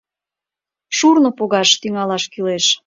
Шурно погаш тӱҥалаш кӱлеш.